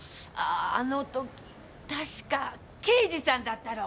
あの時たしか刑事さんだったろう？